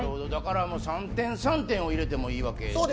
３点、３点を入れてもいいわけですよね。